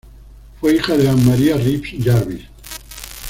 Fue hija de Ann Maria Reeves Jarvis.